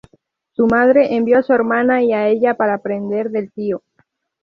Su madre envió a su hermana y a ella para aprender del tío.